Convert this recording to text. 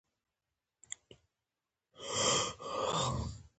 زمونږ د کاریز اوبه په آوده کې جمع کیږي.